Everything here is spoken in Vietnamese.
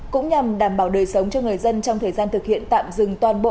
cũng nhằm đảm bảo đời sống cho người dân trong thời gian thực hiện tạm dừng toàn bộ